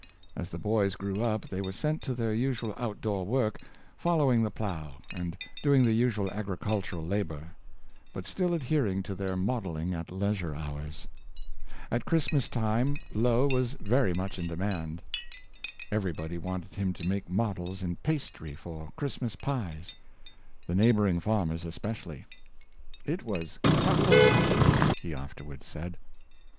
As the boys grew up they were sent to their usual outdoor work, following the plow, and doing the usual agricultural labor; but still adhering to their modelling at leisure hours. At Christmas time Lough was very much in demand. Everybody wanted him to make models in pastry for Christmas pies — the neighboring farmers especially. *' It was capital practice," he afterward said.